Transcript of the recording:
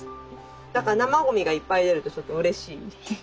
だから生ゴミがいっぱい出るとちょっとうれしいっていう。